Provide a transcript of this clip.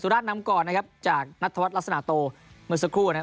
ราชนำก่อนนะครับจากนัทธวัฒนลักษณะโตเมื่อสักครู่นะครับ